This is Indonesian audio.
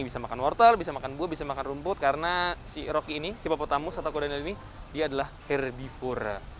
bisa makan wortel bisa makan buah bisa makan rumput karena si rocky ini hipotamus atau kudanil ini dia adalah herdipura